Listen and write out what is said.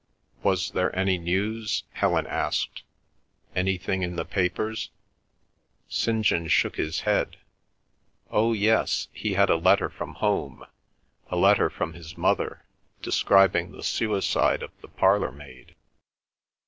Was there any news? Helen asked; anything in the papers? St. John shook his head. O yes, he had a letter from home, a letter from his mother, describing the suicide of the parlour maid.